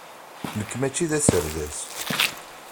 Nekk mačči d aserdas.